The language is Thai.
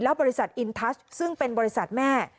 บริษัทอินทัสซึ่งเป็นบริษัทแม่